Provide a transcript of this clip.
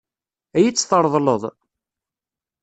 Ad iyi-tt-tṛeḍleḍ?